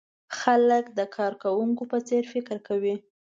خلک د کارکوونکو په څېر فکر کوي.